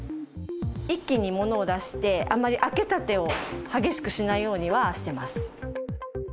一気に物を出して、あまり開けたてを激しくしないようにはしてます。